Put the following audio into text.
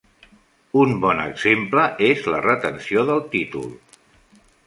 Un bon exemple és la retenció del títol.